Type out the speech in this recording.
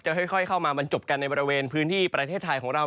ค่อยเข้ามาบรรจบกันในบริเวณพื้นที่ประเทศไทยของเรา